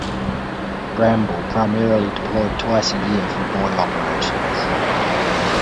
"Bramble" primarily deployed twice a year for buoy operations.